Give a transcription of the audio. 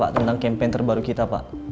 ya pak tentang campaign terbaru kita pak